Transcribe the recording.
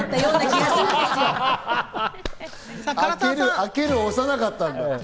開けるを押さなかったんだ。